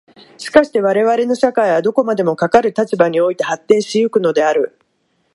しかして我々の社会はどこまでもかかる立場において発展し行くのである。